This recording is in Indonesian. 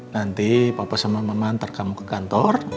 nanti papa sama mama ntar kamu ke kantor